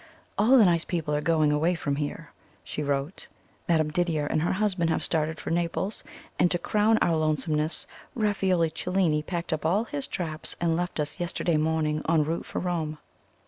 "All the nice people are going away from here," she wrote. "Madame Didier and her husband have started for Naples; and, to crown our lonesomeness, Raffaello Cellini packed up all his traps, and left us yesterday morning en route for Rome.